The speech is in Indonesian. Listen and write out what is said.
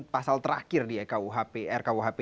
pasal terakhir di rkuhp